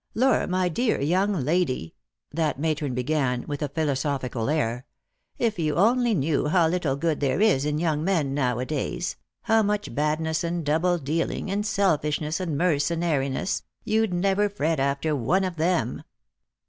" Lor, my dear young lady," that matron began, with a philo sophical air, " if you only knew how little good there is in young men nowadays — how much badness and double dealing, and selfishness and mercenariness — you'd never fret after one of them.